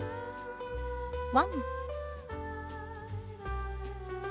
ワン！